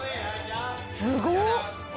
すごっ！